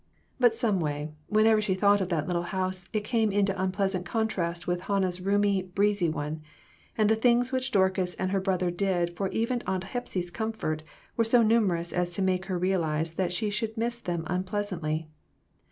But some way, whenever she thought of that little house it came into unpleasant contrast with Han nah's roomy, breezy one ; and the things which Dorcas and her brother did for even Aunt Hepsy's comfort were so numerous as to make her realize that she should miss them unpleas antly.